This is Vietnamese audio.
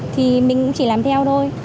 thì mình cũng chỉ làm theo thôi